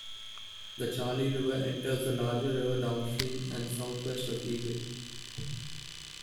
The Charley River enters the larger river downstream and southwest of Eagle.